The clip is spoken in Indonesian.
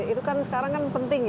itu kan sekarang kan penting ya